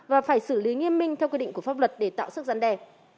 và phải xử lý nghiêm minh theo quy định của pháp luật để tạo sức giăn đề